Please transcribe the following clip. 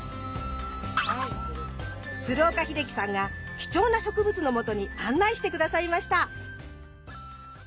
鶴岡秀樹さんが貴重な植物のもとに案内して下さいました。